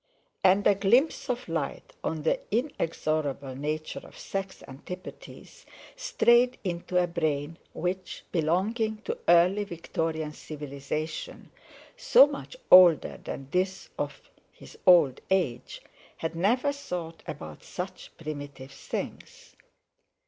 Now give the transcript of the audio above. And a glimpse of light on the inexorable nature of sex antipathies strayed into a brain which, belonging to early Victorian civilisation—so much older than this of his old age—had never thought about such primitive things.